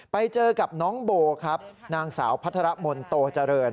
ไปเจอกับน้องโบครับนางสาวพัทรมนโตเจริญ